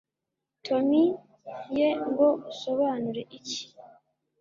tomy ye! ngo usobanure iki